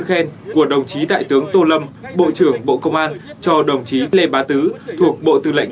khen của đồng chí đại tướng tô lâm bộ trưởng bộ công an cho đồng chí lê bá tứ thuộc bộ tư lệnh